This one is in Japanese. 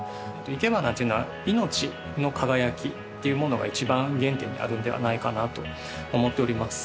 いけばなっていうのは命の輝きっていうものが一番原点にあるんではないかなと思っております